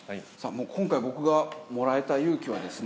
もう今回僕がもらえた勇気はですね